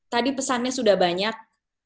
tadi pesannya sudah banyak